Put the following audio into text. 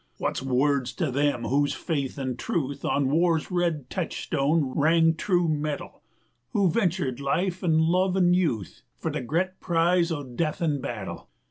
Wut's words to them whose faith an' truth On War's red techstone rang true metal, 130 Who ventered life an' love an' youth For the gret prize o' death in battle?